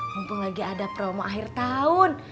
mumpung lagi ada promo akhir tahun